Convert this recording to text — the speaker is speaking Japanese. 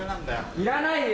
いらないよ！